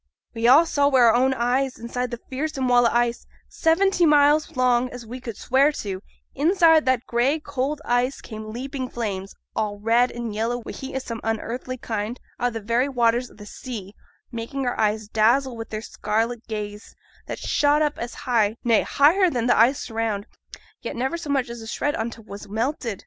We all saw wi' our own eyes, inside that fearsome wall o' ice seventy miles long, as we could swear to inside that gray, cold ice, came leaping flames, all red and yellow wi' heat o' some unearthly kind out o' th' very waters o' the sea; making our eyes dazzle wi' their scarlet blaze, that shot up as high, nay, higher than th' ice around, yet never so much as a shred on 't was melted.